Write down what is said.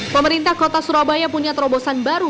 pemerintah kota surabaya punya terobosan baru